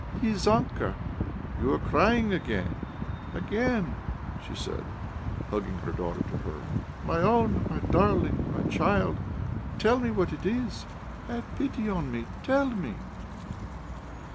"Lizanka, you are crying again ... again," she said, hugging her daughter to her. "My own, my darling, my child, tell me what it is! Have pity on me! Tell me."